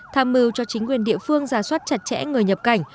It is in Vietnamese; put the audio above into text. tham mưu cho chính quyền địa phương giả soát chặt chẽ người nhập cảnh